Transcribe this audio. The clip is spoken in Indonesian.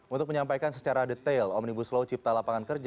untuk menyampaikan secara detail omnibus law cipta lapangan kerja